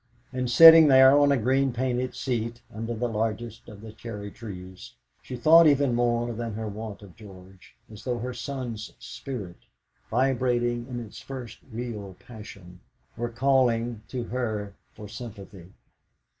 And sitting there on a green painted seat under the largest of the cherry trees, she thought even more than her wont of George, as though her son's spirit, vibrating in its first real passion, were calling to her for sympathy.